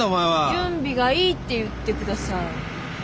準備がいいって言ってください。